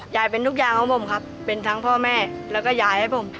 ยายเป็นทุกอย่างของผมครับเป็นทั้งพ่อแม่แล้วก็ยายให้ผม